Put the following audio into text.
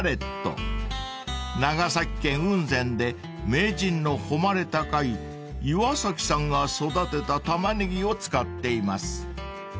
［長崎県雲仙で名人の誉れ高い岩崎さんが育てたタマネギを使っています］